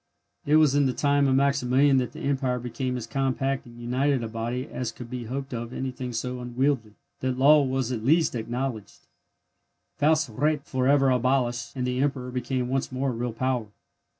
It was in the time of Maximilian that the Empire became as compact and united a body as could be hoped of anything so unwieldy, that law was at least acknowledged, Faust recht for ever abolished, and the Emperor became once more a real power.